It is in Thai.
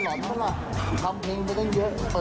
อ่าหายหล่อนเลยครับ